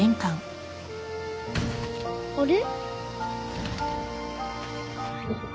あれ？